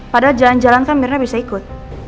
padahal jalan jalan kan mirna bisa ikut